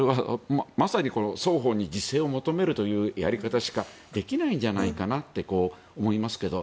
まさに双方に自制を求めるというやり方しかできないんじゃないかなって思いますけれど